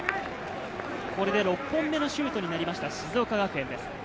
これで６本目のシュートになりました、静岡学園です。